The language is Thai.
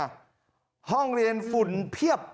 นั้นห้องเรียนฝุ่นเพี้ยบ